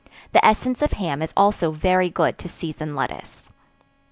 The essence of ham is also very good to season lettuce.